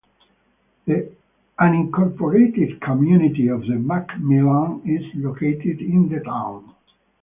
The unincorporated community of McMillan is located in the town.